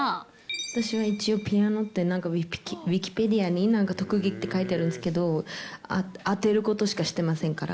私は一応、ピアノってウィキペディアに、なんか特技って書いてあるんですけれども、当てることしかしてませんから。